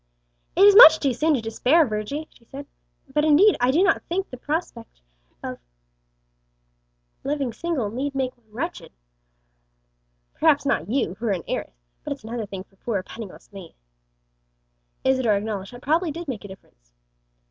"It is much too soon to despair, Virgy," she said; "but indeed, I do not think the prospect of living single need make one wretched." "Perhaps not you, who are an heiress; but it's another thing for poor, penniless me." Isadore acknowledged that that probably did make a difference.